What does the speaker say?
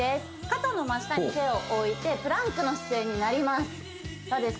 肩の真下に手を置いてプランクの姿勢になりますそうです